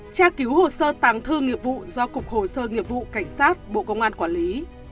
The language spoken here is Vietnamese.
tra cứu hồ sơ tàng thư nghiệp vụ do cục hồ sơ nghiệp vụ cảnh sát bộ công an quản lý